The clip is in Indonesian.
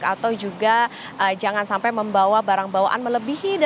atau juga jangan sampai membawa barang bawaan melebihi